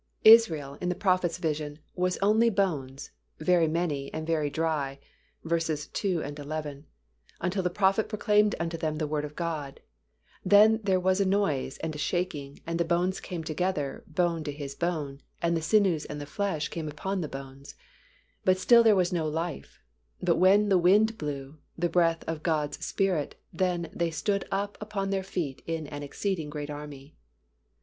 Israel, in the prophet's vision, was only bones, very many and very dry (vs. 2, 11), until the prophet proclaimed unto them the word of God; then there was a noise and a shaking and the bones came together, bone to his bone, and the sinews and the flesh came upon the bones, but still there was no life, but when the wind blew, the breath of God's Spirit, then "they stood up upon their feet an exceeding great army."